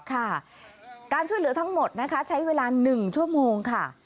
ค่ะการช่วยเหลือทั้งหมดนะคะใช้เวลา๑ชั่วโมงค่ะ